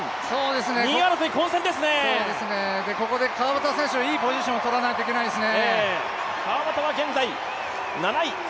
ここで川端選手はいいポジションを取らないといけないですね。